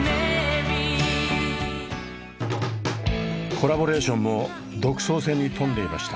コラボレーションも独創性に富んでいました。